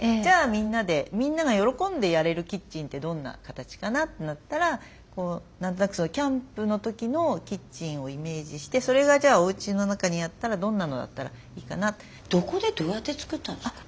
みんなで「みんなが喜んでやれるキッチンってどんな形かな」ってなったらこう何となくキャンプの時のキッチンをイメージしてそれがじゃあおうちの中にあったらどんなのだったらいいかなって。どこでどうやって作ったんですか？